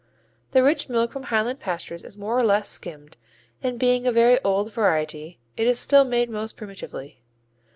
The rich milk from highland pastures is more or less skimmed and, being a very old variety, it is still made most primitively.